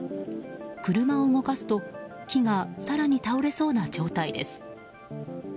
車を動かすと木が更に倒れそうな状態です。